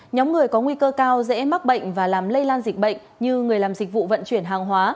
nhóm người có nguy cơ cao dễ mắc bệnh và làm lây lan dịch bệnh như người làm dịch vụ vận chuyển hàng hóa